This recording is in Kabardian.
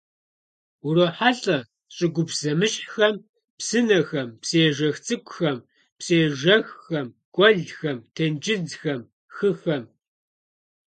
УрохьэлӀэ щӀыгупс зэмыщхьхэм: псынэхэм, псыежэх цӀыкӀухэм, псыежэххэм, гуэлхэм, тенджызхэм, хыхэм.